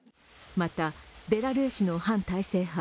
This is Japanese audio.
また、ベラルーシの反体制派